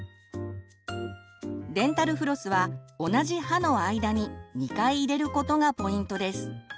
デンタルフロスは同じ歯の間に２回入れることがポイントです。